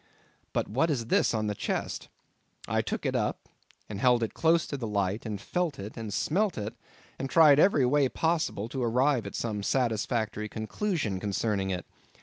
But what is this on the chest? I took it up, and held it close to the light, and felt it, and smelt it, and tried every way possible to arrive at some satisfactory conclusion concerning it.